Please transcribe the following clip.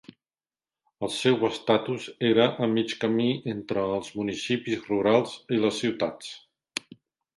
El seu estatus era a mig camí entre els municipis rurals i les ciutats.